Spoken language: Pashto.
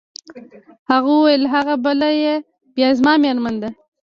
هغه وویل: هغه بله يې بیا زما مېرمن ده.